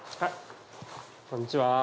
こんにちは。